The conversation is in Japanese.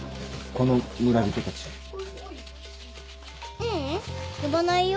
ううん呼ばないよ。